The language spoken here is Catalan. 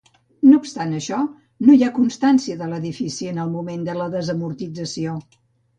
No obstant això, no hi ha constància de l'edifici en el moment de la desamortització.